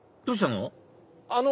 どうしたの？